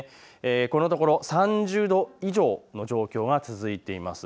このところ３０度以上の状況が続いています。